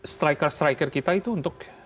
striker striker kita itu untuk